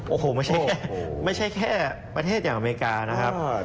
โอ้โหไม่ใช่แค่ประเทศอย่างอเมริกานะครับ